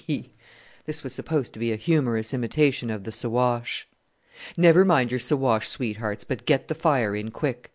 he!" This was supposed to be a humorous imitation of the Siwash. "Never mind your Siwash sweethearts, but get the fire in quick.